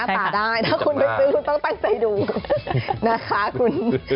ถ้าคุณไม่รู้มากต้องตั้งใจดูนะคะคุณ